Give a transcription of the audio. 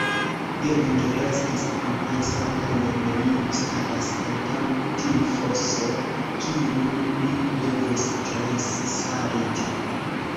Gering restis pripensanta: jen li staras antaŭ tiu foso, kiun li devus transsalti!